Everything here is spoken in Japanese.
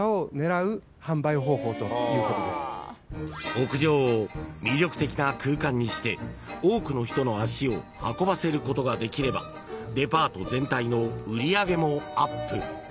［屋上を魅力的な空間にして多くの人の足を運ばせることができればデパート全体の売り上げもアップ］